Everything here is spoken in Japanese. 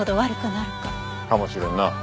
かもしれんな。